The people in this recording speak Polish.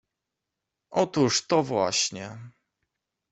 — Otóż to właśnie.